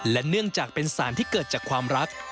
และเนื่องจากเป็นสารที่เกิดจากความรัก